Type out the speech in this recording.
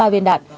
ba viên đạn